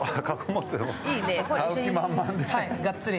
買う気満々で。